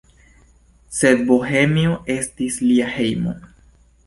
Sed Bohemio estis lia hejmo.